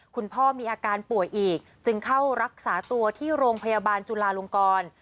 คุณพ่อมีอาการป่วยอีกจึงเข้ารักษาตัวที่โรงพยาบาลจุลาลงกร